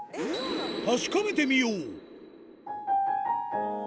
確かめてみよう。